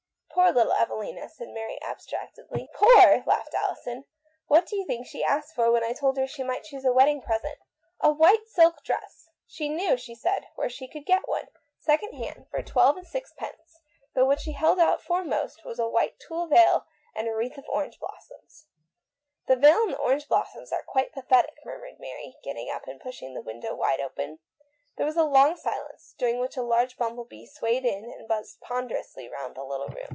" Poor little Evelina," said Mary abstract edly. " Poor !" laughed Alison. " What do you think the girl asked for when I told her she might choose a wedding present ? A white silk dress ! She knew, she said, where she could get one, second hand, for twelve and sixpence, but what she held out for most 148 THE 8T0RY OF A MODERN WOMAN. was a white tulle veil and a wreath of orange blossoms." "The veil and the orange blossoms are quite pathetic," murmured Mary, getting up and pushing the window wide open. There was a long silence, during which a large bumble bee swayed in and buzzed ponder ously round the little room.